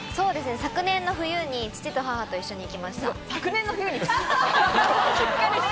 昨年の冬に、父と母と一緒に行きました。